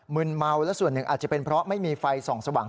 ืนเมาและส่วนหนึ่งอาจจะเป็นเพราะไม่มีไฟส่องสว่าง